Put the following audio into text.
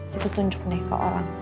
kita tunjuk nih ke orang